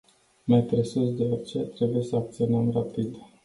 Mai presus de orice, trebuie să reacționăm rapid.